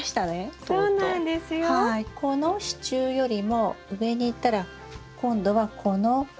この支柱よりも上にいったら今度はこの。